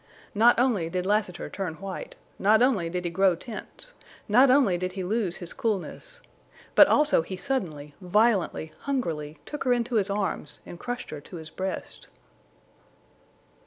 Not only did Lassiter turn white—not only did he grow tense, not only did he lose his coolness, but also he suddenly, violently, hungrily took her into his arms and crushed her to his breast.